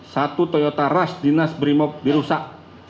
satu toyota rush dinas berimob dirusak